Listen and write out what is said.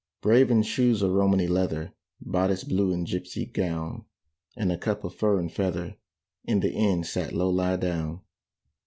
Brave in shoes of Romany leather, Bodice blue and gipsy gown, And a cap of fur and feather, In the inn sat Low lie down.